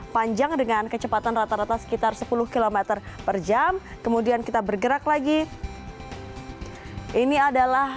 panjang dengan kecepatan rata rata sekitar sepuluh km per jam kemudian kita bergerak lagi ini adalah